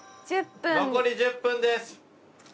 残り１０分です！